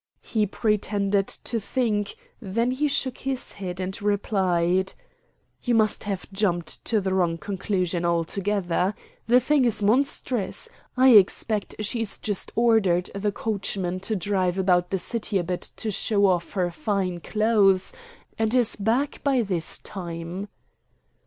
He pretended to think, then he shook his head and replied: "You must have jumped to a wrong conclusion altogether. The thing's monstrous. I expect she's just ordered the coachman to drive about the city a bit to show off her fine clothes, and is back by this time."